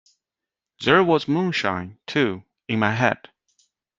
There was moonshine, too, in my head.